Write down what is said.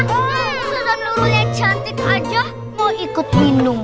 sosan nurul yang cantik aja mau ikut minum